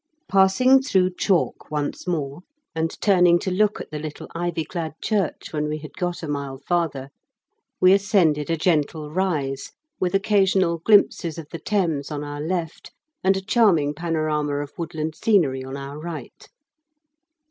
Passing through Chalk once more, and turning to look at the little ivy clad church when we had got a mile farther, we ascended GAD' 8 BILL. 21 a gentle rise, with occasional glimpses of the Thames on our left, and a charming panorama of woodland scenery on our right.